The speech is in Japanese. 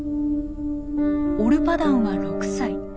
オルパダンは６歳。